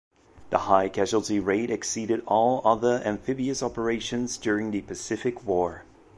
The high casualty rate exceeded all other amphibious operations during the Pacific War.